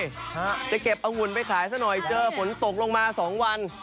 จะเก็บอาหุ่นไปขายซะหน่อยเจอผลตกลงมา๒วัน